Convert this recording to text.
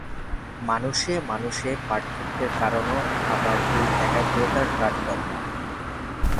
মানুষে মানুষে পার্থক্যের কারণও আবার এই একাগ্রতার তারতম্য।